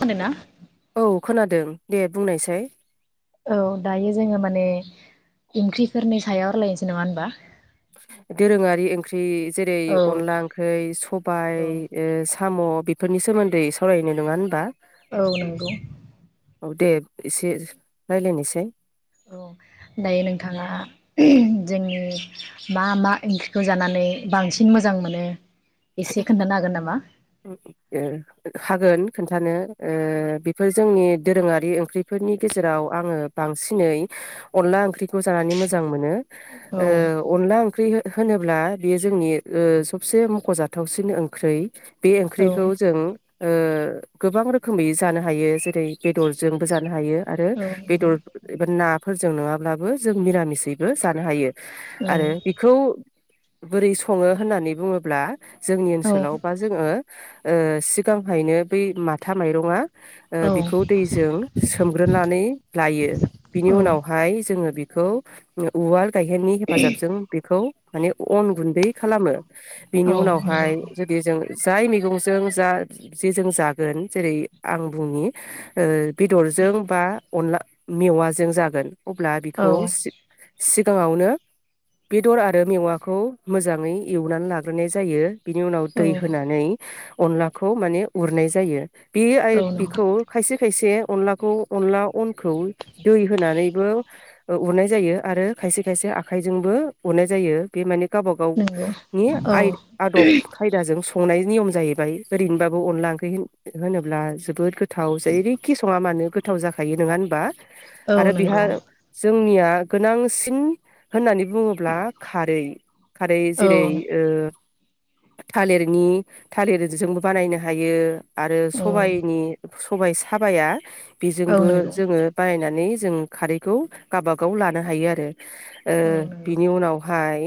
होदोंना? औ खोनादों दे बुंनायसाय। औ दायो जोङो माने ओंख्रिफोरनि सायाव रायज्लायनोसै नङा होनबा? दोरोङारि ओंख्रि जेरै औ अनदला ओंख्रि औ सबबाय ओस साम' बेफोरनि सोमोन्दै सावरायनाय नङा होनबा? औ नंगौ। औ दे एसे रायलायनोसै । औ दायो नोंथाङा जोंनि मा मा ओंख्रिखौ जानानै बांसिन मोजां मोनो एसे खोन्थानो हागोन नामा? ओ हागोन । खोन्थानो ओ बेफोर जोंनि दोरोङारि ओंख्रिफोरनि गेजेराव आङो बांसिनै अनला ओंख्रि जानानै मोजां मोनो औ ओ अनला ओंख्रि हो होनोब्ला बेयो जोंनि ओ सबसे मखजाथ थावसिन ओंख्रै बे औ ओंख्रिखौ जों ओ गोबां रोखोमै जानो हायो जेरै बेदरजोंबो जानो हायो आरो औ नंगौ बेदर एबा नाफोरजों नङा ब्लाबो जों निरामिसयैबो जानो हायो । आरो बिखौ बोरै सङो होननानै बुङोब्ला जोंनि औ ओनसोलाव बा जोङो ओ सिगांहायनो बै माथा माइरंआ ओ औ बिखौ दैजों सोमग्रोनानै लायो बिनि उनावहाय जोङो बि खौ उ-उवाल गायहेननि हेफाजाबजों बेखौ माने अन गुन्दै खालामो औ बिनि उनाव नंगौ बेहाय जुदि जों जाय मैगंजों जा जेजों जागोन जेरै आं बुंनि ओ बेदरजों बा अनला मेवाजों जागोन अब्ला औ बेखौ सिग सि सिगाङावनो बेदर आरो मेवाखौ मोजाङै एवनानै लाग्रोनाय जायो। बिनि उनाव दै होनानै अनलाखौ माने उरनाय जायो । बे आय औ नंगौ बिखौ खायसे खायसे अनलाखौ अनला अनखौ दै होनानैबो ओ उरनाय जायो आरो खायसे खायसे आखाइजोंबो उरनाय जायो बे माने गावबा नंगौ गावनि औ आइ आदब खायदा जों जों संनायनायनि नियम जाहैबाय ओरैनोबाबो अनला ओंख्रि होनोब्ला जोबोद गोथाव जेरैखि सङा मानो गोथाव जाखायो नङा होनबा। औ आरो बेहा नंगौ जोंनिया। गोनांसिन होननानै बुङोब्ला खारै खारै औ जेरै ओ। थालिरनि थालिरजोंबो बानायनो हायो। आरो औ सबायनि सबाय साबाया औ बेजोंबो नंगौ जोङो बानायना नानै जों खारैखौ गावबा गाव लानो हायो आरो। ओ औ नंगौ बिनि उनावहाय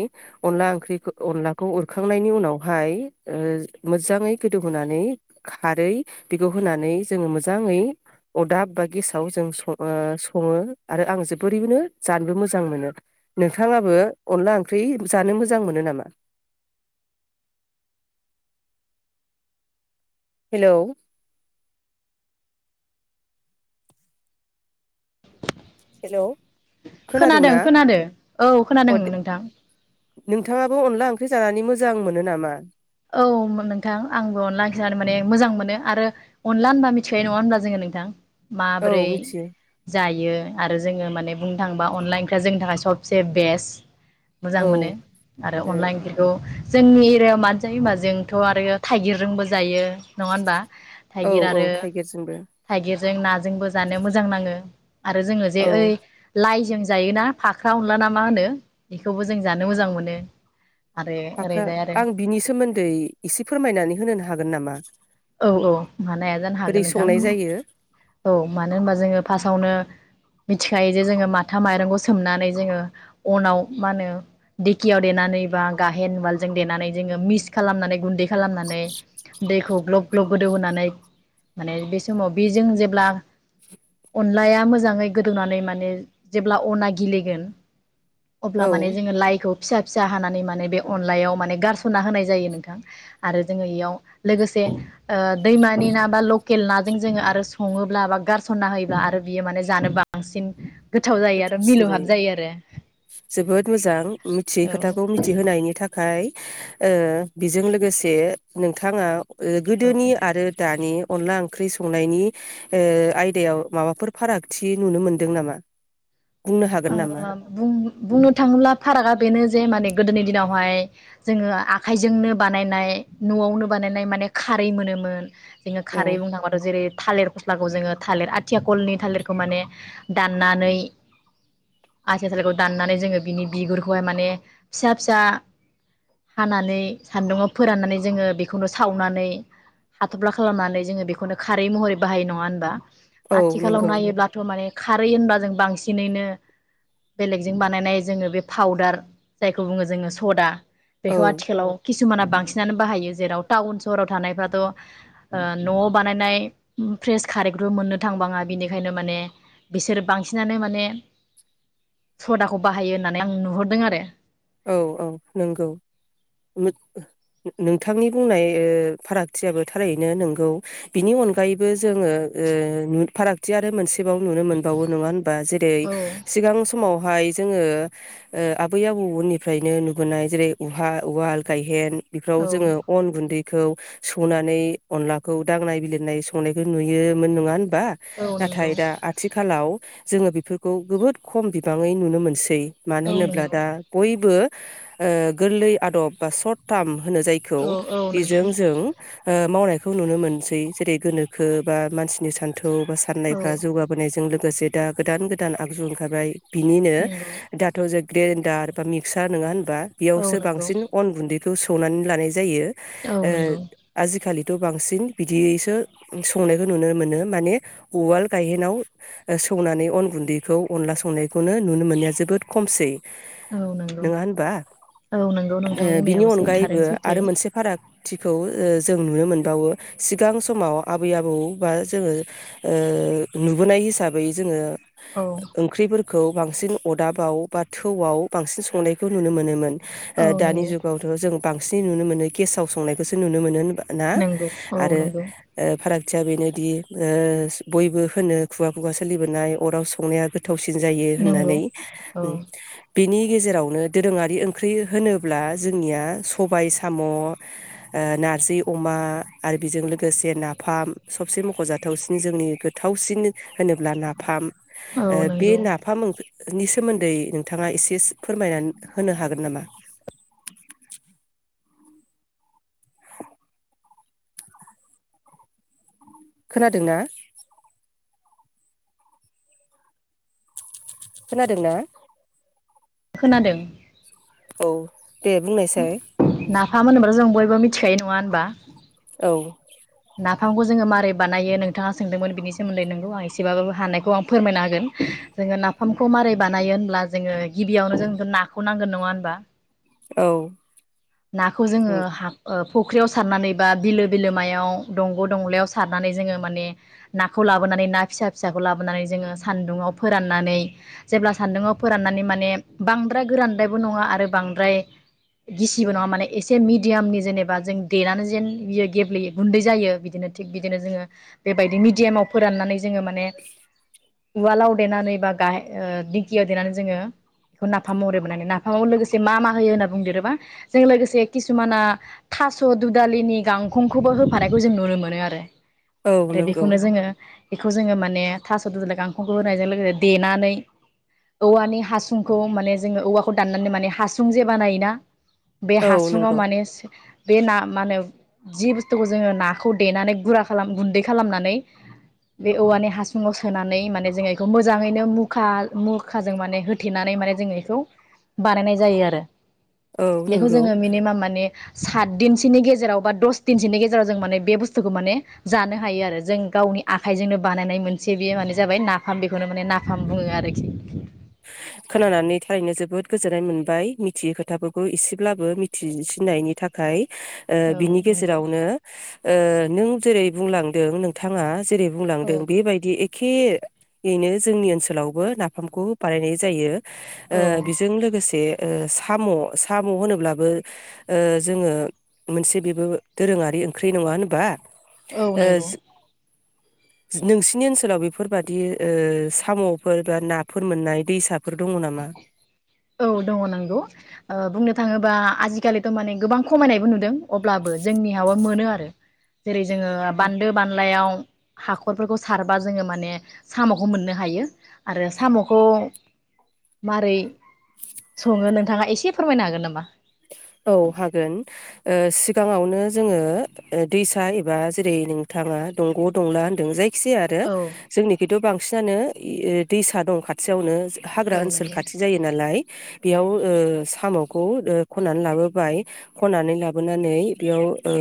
अनला ओंख्रिखौ अनलाखौ उरखां खांनायनि उनावहाय ओ मोजाङै गोदौहोनानै खारै बेखौ होनानै जोङो मोजाङै अरदाब बा गेसाव जों सं ओ सङो आरो आं जोबोरैनो जानोबो मोजां मोनो। नोंथाङाबो अनला ओंख्रि जानो मोजां मोनो नामा? हेलौ खोनादों खोनादोंना? खोनादो औ अ खोनादों नोंथां। नोंथाङाबो अनला ओंख्रि जानानै मोजां मोनो नामा? औ नोंथां आंबो अनला ओंखि जानो माने मोजां मोनो आरो अनला होनबा मिथिखायो नङा होनबा जोङो नोंथां औ माब्रै मिथियो जायो? आरो जोङो माने बुंनो थाङोबा अनला ओंख्रिया जोंनि थाखाय सबसे बेस्ट। मोजां औ मोनो आरो अनला इंख्रिखौ जोंनि एरियायाव मानसि जायो होमबा जोंथ' आरो थाइगिरजोंबो जायो नङा होनबा? ओ औ थाइगिर औ आरो थाइगिरजोंबो थाइगिर जों नाजोंबो जानो मोजां नाङो। आरो जोङो जे औ ओइ लाइ जों जायोना फाख्रा अनला ना मा होनो बेखौबो जों जानो मोजां मोनो। आरो फाख्रा ओरैजाय आरो आं बिनि सोमोन दै इसे फोरमायनानै होनो हागोन नामा? औ औ मानो हाया जानो बोरै हागोन नोंथां। संनाय जायो औ मानो होनबा जोङो फार्स्टआवनो मिथिखायो जे जोङो माथा माइरंखौ सोमनानै जोङो अनाव मा होनो देकियाव देनानै बा गाहेन उवालजों देनानै जोङो मिक्स खालामनानै गुन्दै खालामनानै दैखौ ग्लब ग्लब गोदौ होनानै माने बे समाव बेजों जेब्ला अनलाया मोजाङै गोदौनानै माने जेब्ला अना गिलिगोन अब्ला औ माने जोङो लाइखौ फिसा फिसा हानानै माने बे अनलायाव माने गारस'नना होनाय जायो नोंथां आरो जोङो इयाव लोगोसे ओ दैमानि ना बा लकेल नाजों जोङो आरो सङोब्ला बा गारस'नना होयोब्ला आरो बियो माने जानो बांसिन गोथाव जायो आरो गोथावसिन मिलौहाब जायो, आरो जोबोद मोजां। मिथियै औ खोथाखौ मिथिहोनायनि थाखाय ओ बेजों लोगोसे नोंथाङा औ गोदोनि आरो दानि अनला ओंख्रि संनायनि ओ आयदायाव माबाफोर फारागथि नुनो मोनदों नामा? बुंनो हागोन नामा बुंनो थाङोब्ला फारागा बेनो जे माने गोदोनि दिनाव बेहाय जोङो आखाइजोंनो बानायनाय नआवनो बानायनाय माने खारै मोनोमोन जोङो औ खारै बुंनोथांबाथ जेरै थालिर फस्लाखौ जोङो थालिर आथिया कलनि थालिरखौ माने दाननानै आथिया थालिरखौ दाननानै जोङो बिनि बिगुरखौहाय माने फिसा फिसा हानानै सान्दुङाव फोराननानै जोङो बेखौनो सावनानै हाथफ्ला खालामनानै जोङो बेखौनो खारै महरै बाहाय नङा होनबा? औ आथिखालाव नंगौ नायोब्लाथ माने खारै होनबा जों बांसिनैनो बेलेगजों बानायनाय जोङो बे फाावदार जायखौ बुङो जोङो सदा औ बेखौ आथिखालाव किसुमाना बांसिनानो बाहायो जेराव टाउन सहराव थानायफ्राथ नआव बानायनाय फ्रेस खारैखौबो मोननो थांबाङा बिनिखायनो माने बिसोरो बांसिनानो माने सदाखौ बाहायो होननानै आं नुहरदों आरो औ औ नंगौ नोंथांनि बुंनाय ओ फारागथियाबो थारैनो नंगौ बिनि अनगायैबो जोङो ओ फारागथि आरो मोनसे एबाव नुनो मोनबावो नङा होनबा जेरै औ सिगां समावहाय जोङो ओ आबै आबौ उननिफ्रायनो नुबोनाय जेरै उहा उवाल गायहेन बेफ्राव औ जोङो अन गुन्दैखौ सौनानै अनलाखौ दांनाय बिलिरनाय संनायखौ नुयोमोन नङा होन बा औ नाथाय नंगौ दा आथिखालाव जोङो बेफोरखौ जबोद खम बिबाङै नुनो मोनसै मानो औ होनोब्ला नंगौ दा बो गोरलै आदब बा सरथाम होनो जायखौ औ औ नंगौ बेजों जों ओ मावनायखौ नुनो मोनसै जेरै गोनोखो बा मानसिनि सान्थौ बा औ साननायफ्रा जौगाबोनायजों लोगोसे दा गोदान गोदान आगजु ओंखारबाय बिनिनो नंगौ दाथ जों ग्रेनदार बा मिक्सा नङा होन बा औ बेयावसो नंगौ बांसिन अन गुन्दै खौ सौनानै लानाय ज जायो औ ओ नंगौ आजि खालि थ बांसिन बिदियैसो संनायखौ नुनो मोनो माने उवाल गायहेनाव संनानै अन गुन्दैखौ अनला संनायखौनो नुनो मोननाया जोबोद खमसै। औ नंगौ नङा होनबा औ नंगौ ओ नोंथां बिनि बुंनायाबो सै अनगायैबो थारैनो सैथो आरो मोनसे फाराग- थिखौ जों नुनो मोनबावो सिगां समाव आबै आबौ बा जोङो ओ नुबोनाय हिसाबै जोङो- औ ओंख्रिफोर खौ बांसिन अदाबाव बा थौआव- बांसिन संनायखौ नुनो मोनोमोन। औ ओ दानि नंगौ जुगावथ' जों- बांसिन नुनो मोनो गेसाव संनायखौसो नुनो मोनो होनाबा ना नंगौ औ आरो नंगौ ओ फाराग- थिया बेनोदि ओ‌ बयबो होनो खुगा खुगा सोलिबोनाय अराव संनाया गोथ गोथावसिन जायो नंगौ होननानै औ । नि गेजेरावनो दोरोङारि ओंख्रि होनोब्ला जोंनिया सबाय साम' ओ नारजि अमा आरो बेजों लोगोसे नाफाम सबसे मख'जाथावसिन जोंनि गोथावसिन होनोब्ला नाफाम। औ ओ बे नंगौ नाफाम- नि सोमोन्दै थाङा एसे फोरमायनानै होनो हागोन नामा? खोनादोंना? खोनादोंना? खोनादों। औ दे बुंनायसाय नाफाम होनोब्ला जों बयबो बो मिथिखायो नङा होनबा? औ नाफामखौ जोङो मारोरै बानायो नोंथाङा सोंदोंमोन बिनि सोमोन्दै नोंगौ आं एसेबाबाबो हानायखौ आं फोरमायनो हागोन जोङो नाफामखौ मारोरै बानायो होनब्ला जोङो गिबियावनो जों नाखौ नांगोन नङा होनबा? औ नाखौ जोङो हा ओ - फुख्रियाव सारनानै बा बिलो बिलोमायाव दंग' दंलायाव सारनानै जोङो माने नाखौ लाबोनानै ना फिसा फिसाखौ लाबोनानै जोङो सान्दुङाव फोराननानै जेब्ला सान्दुङाव फोराननानै माने बांद्राय गोरानद्रायबो नङा आरो बांद्राय गिसि [unintelligible] एसे मिदियामनि जेनेबा जों देनानै जेन बियो गेब्लेयो गुैन्दै जायो बिदिनो थि बिदिनो जोंङो बेबायदि मिदियामाव फोराननानै ज- जोङो माने- उवालाव देनानै बा गाहाय दिंकियाव देनानै जोङो बेखौ नाफाम महरैबनानै नाफामाव लोगोसे मा मा होयो होनना बुंदेरोबा- जों लोगोसे किसुमाना थास' दुदालिनि गांखंखौबो होफानायखौ जों नुनो मोनो आरो औ आरो नंगौ बेखौनो जोङो बेखौ जोङो माने थास' दुदालि गांखंखौ होनायजों लोगोसे देनानै औवानि हासुंखौ माने जोङो औवाखौ दाननानै माने हासुं जे बानायोना? बे औ हासुङाव नंगौ माने बे ना मा होनो जि बुस्थुखौ जोङो नाखौ देनानै गुरा खालाम गुन्दै खालामनानै बे औवानि हासुाव सोनानै माने जोङो बेखौ मोजाङैनो मुखा मुखाजों माने होथेनानै माने जोङो बेखौ बानायनाय जायो आरो। औ बेखौ नंगौ जोङो मिनिमाम माने सात दिनसोनि गेजेराव बा दस दिनसोनि गेजेराव जों माने बे बुस्थुखौ माने जानो हायो आरो जों गावनि आखाइजोंनो बानायनाय मोनसे बे माने जाबाय नाफाम बेखौनो माने नाफाम बुङो आरोखि। खोनानानै थारैनो जोबोद गोजोननाय मोनबाय मिथियै खोथाफोरखौ एसेब्लाबो मिथिसिनायनि थाखाय। ओ औ बिनि नंगौ गेजेरावनो ओ नों जेरै बुंलांदों नोंथाङा जेरै औ बुंलांदों बेबायदि एख खेयैनो जोंनि ओनसोलावबो नाफामखौ बानायनाय जायो। ओ औ बेजों लोगोसे ओ साम' साम' होनोब्लाबो ओ जोङो मोनसे बेबो दोरोङारि ओंख्रि नङा होनबा? औ नोंगौ। जि‌ नोंसिनि ओनसोलाव बेफोरबादि ओ साम'फोर बा नाफो फोर मोननाय दैसा औ दङ नोंगौ ओ बुंनो थाङोब बा आजिखालिथ' माने गोबां खमायनायबो नुदों अब्लाबो जोंनि हावबो मोनो आरो जेरै जोङो बान्दो बानलायाव हाखरफोरखौ सारबा जोङो माने साम'खौ मोननो हायो आरो साम'खौ मारै सङो नोंथाङा इसे फोरमायनो हागोन नामा? औ हागोन। ओ सिगाङावनो जोङो ओ दैसा एबा जेरै नोंथाङा दंग' दंला होन्दों जाय खि जाया आरो औ जोंनिखेथ' बांसिनानो इ ए दैसा दं खाथियावनो। हाग्रा औ ओनसोल नंगौ खाथि जायो नालाय। बेयाव ओ साम'खौ ओ खननानै लाबोबाय खननानै लाबोनानै बेयाव ओ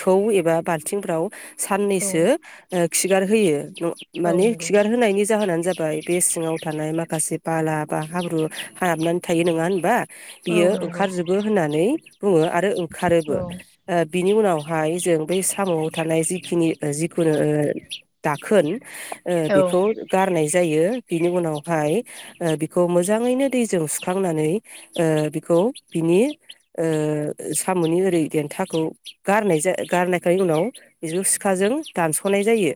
थौ एबा बाल्थिंफ्राव औ साननैसो ओग खिगारहोयो। न औ माने नंगौ खिगार होनायनि जाहोनान जाबाय बे सिङाव थानाय माखासे बाला बा हाब्रु हाबनानै थायो नोङा होनबा। औ बियो नंगौ ओंखारजोबो होननानै बुङो आरो ओंखारोबो औ ओद बिनि उनावहाय जों बै साम'आव थानाय जिखिनि ओ जिखुनु ओ दाखोन ओ औ बेखौ गारनाय जायो बिनि उनावहाय ओ बिखौ मोजाङैनो दैजों सुखांनानै ओ बिखौ बिनि ओ साम'नि ओरै देन्थाखौ गारनाय जा गारनायखाय उनाव बेजौ सिखाजों दानस'नाय जायो।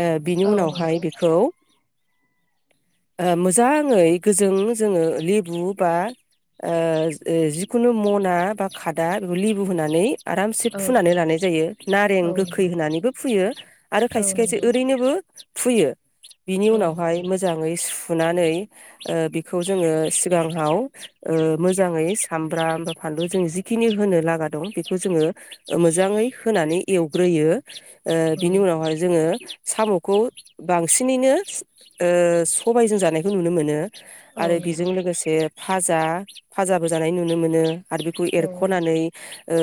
ओ बिनि नंगौ औ उनावहाय नंगौ बेखौ ओ मोजाङै गोजों जोङो लेबु बा ओ ओ जिखुनु मना बा खादा बेखौ लेबु होनानै आरामसे फुनानै लानाय जायो औ नारें गोखै नंगौ होनानैबो फुयो आरो औ खायसे खायसे नंगौ ओरैनोबो फुयो। बिनि औ उनावहाय मोजाङै सु नानै बेखौ जोङो सिगाङाव मोजाङै सामबाम बा फानलु जों जिखिनि होनो लागा दं बेखौ जोङो मोजाङै होनानै एवग्रोयो ओ बिनि उनावहाय जोङो साम'खौ बांसिनैनो ओ सबायजों जानायखौ नुनो मोनो आरो बेजों नंगौ लोगोसे भाजा-भाजा बो जानाय नुनो मोनो आरो बेखौ औ एरखनानै ओ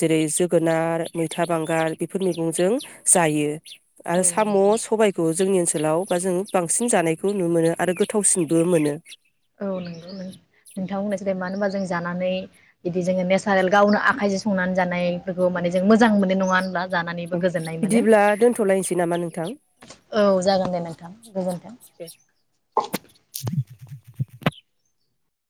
जेरै जोगोनार मैथा बांगाल बेफोर मैगंजों जायो आरो औ साम नंगौ सबाइखौ जोंनि ओनसो हटेलाव बा जोङो बांसिन जानायखौ नुनो मोनो आरो गोथावसिनबो मोनो औ नों नोंथां होननायसै मानो होनबा जों जानानै बिदि जोङो नेचारेल गावनो आखाइजों संनानै जानायफोरखौ माने जों मोजां मोननाय नङा होनब्ला जानानैबो गोजोननाय मोनो बिदिब्ला दोनथ'लायनोसै नामा नोंथां औ जागोन दे नोंथां गोजोन्थों दे